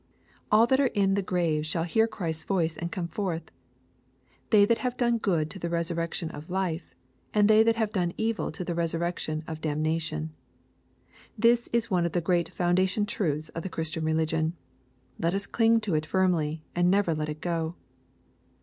All that are in the graves shall hear Christ's voice and come forth, : they that have done good to the resurrec tion of life,, and they that have done evil to the resur rection of damnation. This is one of the great founda tion truths of the Christian religion. Let us cling to it firmly, and never let it go.